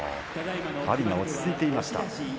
阿炎が落ち着いてました。